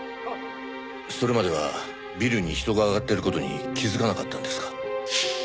それまではビルに人が上がっている事に気づかなかったんですか？